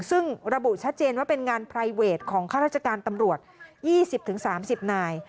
ซึ่งระบุชัดเจนว่าเป็นงานไพรเวทของข้าราชการตำรวจ๒๐๓๐นาย